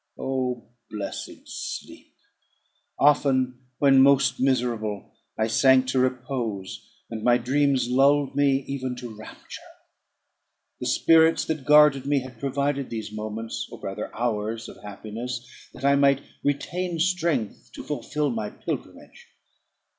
O blessed sleep! often, when most miserable, I sank to repose, and my dreams lulled me even to rapture. The spirits that guarded me had provided these moments, or rather hours, of happiness, that I might retain strength to fulfil my pilgrimage.